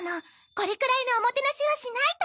これくらいのおもてなしはしないと。